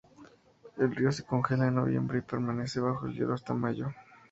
El río se congela en noviembre y permanece bajo el hielo hasta mayo.